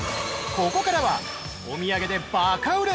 ◆ここからはお土産でバカ売れ！